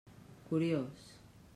Curiós.